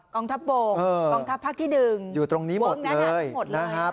กองทัพบกกองทัพภาคที่ดึงอยู่ตรงนี้หมดเลยวงนั้นอ่ะหมดเลยนะฮะ